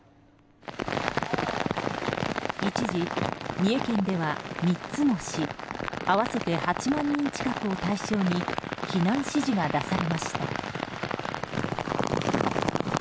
一時、三重県では３つの市合わせて８万人近くを対象に避難指示が出されました。